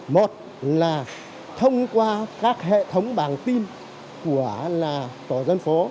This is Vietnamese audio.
một là thông qua các hệ thống bảng tin của tổ dân phố